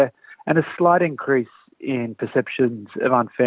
dan ada sedikit peningkatan persepsi tidak adil